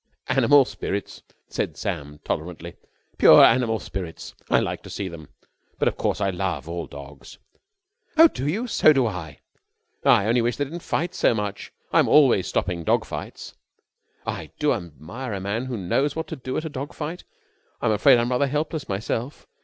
"Animal spirits!" said Sam tolerantly. "Pure animal spirits! I like to see them. But, of course, I love all dogs." "Oh, do you? So do I!" "I only wish they didn't fight so much. I'm always stopping dog fights." "I do admire a man who knows what to do at a dog fight. I'm afraid I'm rather helpless myself.